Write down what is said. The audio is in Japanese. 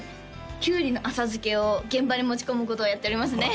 きゅうりの浅漬けを現場に持ち込むことをやっておりますね